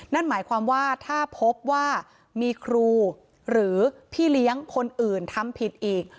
นั่นหมายความว่าถ้าพบว่ามีครูหรือพี่เลี้ยงคนอื่นทำผิดอีก